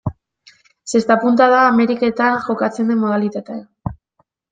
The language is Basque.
Zesta-punta da Ameriketan jokatzen den modalitatea.